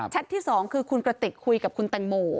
ที่๒คือคุณกระติกคุยกับคุณแตงโม